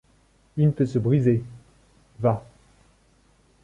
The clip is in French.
Une peut se briser. — Va.